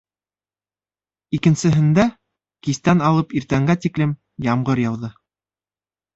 Икенсеһендә, кистән алып иртәнгә тиклем, ямғыр яуҙы.